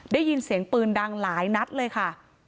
ได้ยินเสียงปืนดังหลายนัดเลยค่ะ